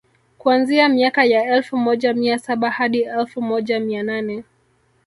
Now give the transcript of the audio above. kuanzia miaka ya elfu moja mia saba hadi elfu moja mia nane